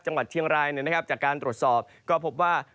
จังหวัดเชียงรายจากการตรวจสอบก็พบว่า